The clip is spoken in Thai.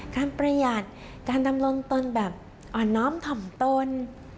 ประหยัดการดำรงตนแบบอ่อนน้อมถ่อมตน